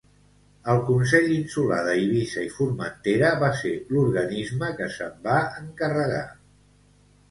El Consell Insular d'Eivissa i Formentera va ser l'organisme que se'n va encarregar.